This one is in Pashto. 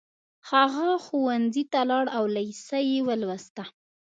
هغه ښوونځي ته لاړ او لېسه يې ولوسته.